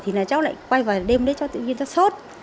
thì là cháu lại quay vào đêm đấy cháu tự nhiên cho sốt